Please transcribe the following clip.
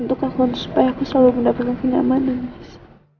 untuk aku untuk supaya aku selalu mendapatkan kenyamanan mas